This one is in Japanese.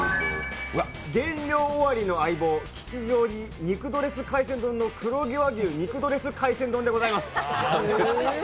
減量終わりの相棒、吉祥寺肉ドレス海鮮丼の黒毛和牛肉ドレス海鮮丼です。